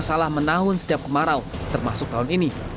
masalah menahun setiap kemarau termasuk tahun ini